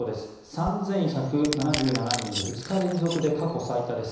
３１７７人で２日連続で過去最多です。